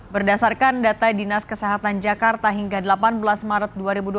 berdasarkan data dinas kesehatan jakarta hingga delapan belas maret dua ribu dua puluh